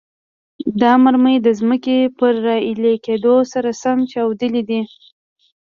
دا مرمۍ د ځمکې پر راایلې کېدو سره سم چاودیدلې.